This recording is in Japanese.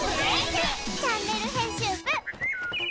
「チャンネル編集部」！